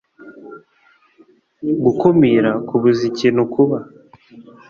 Gukumira Kubuza ikintu kuba